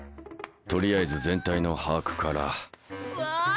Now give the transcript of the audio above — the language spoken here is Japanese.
とりあえず全体の把握から。わ！